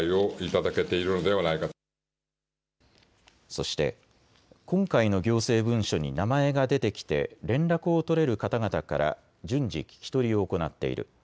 そして、今回の行政文書に名前が出てきて連絡を取れる方々から順次、聞き取りを行っている。